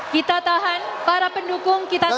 kita tahan para pendukung kita tahan